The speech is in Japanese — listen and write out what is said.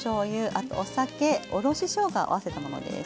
あとお酒おろししょうがを合わせたものです。